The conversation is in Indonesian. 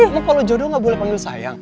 lo kalau jodoh gak boleh panggil sayang